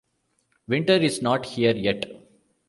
Winter is not here yet.